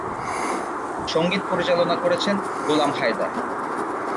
সংগীত পরিচালনা করেছেন গোলাম হায়দার।